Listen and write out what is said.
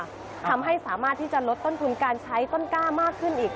ทำให้สามารถที่จะลดต้นทุนการใช้ต้นกล้ามากขึ้นอีก